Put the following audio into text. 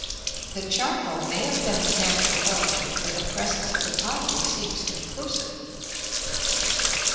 The charcoal may have been of natural origin, but the presence of the pottery seems conclusive.